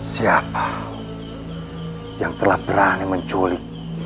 siapa yang telah berani menculik